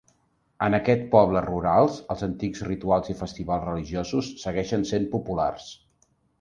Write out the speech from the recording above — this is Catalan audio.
En aquests pobles rurals, els antics rituals i festivals religiosos segueixen sent populars.